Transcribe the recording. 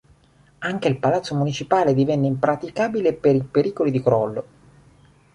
Anche il Palazzo Municipale divenne impraticabile per i pericoli di crollo.